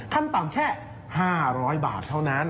ขั้นต่ำแค่๕๐๐บาทเท่านั้น